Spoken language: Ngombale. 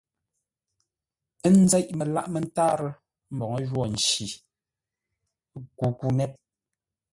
N nzêʼ məlâʼ mə́tárə́ mbǒu jwô nci kukunét.